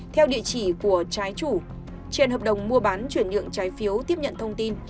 theo địa chỉ của trái chủ trên hợp đồng mua bán chuyển nhượng trái phiếu tiếp nhận thông tin